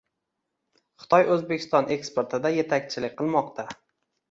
Xitoy O‘zbekiston eksportida yetakchilik qilmoqda